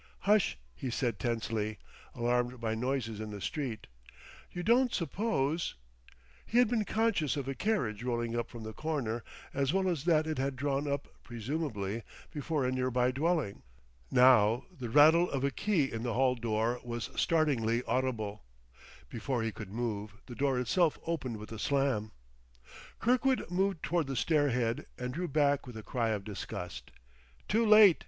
"Hush!" he said tensely, alarmed by noises in the street. "You don't suppose ?" He had been conscious of a carriage rolling up from the corner, as well as that it had drawn up (presumably) before a near by dwelling. Now the rattle of a key in the hall door was startlingly audible. Before he could move, the door itself opened with a slam. Kirkwood moved toward the stair head, and drew back with a cry of disgust. "Too late!"